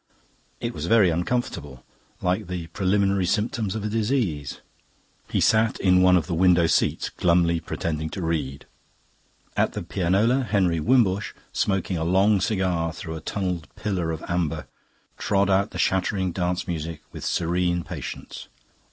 It was very uncomfortable, like the preliminary symptoms of a disease. He sat in one of the window seats, glumly pretending to read. At the pianola, Henry Wimbush, smoking a long cigar through a tunnelled pillar of amber, trod out the shattering dance music with serene patience.